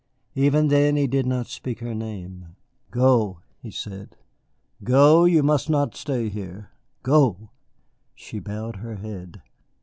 Even then he did not speak her name. "Go," he said. "Go, you must not stay here. Go!" She bowed her head.